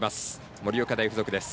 盛岡大付属です。